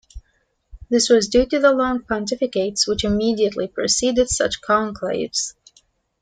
This was due to the long pontificates which immediately preceded such conclaves.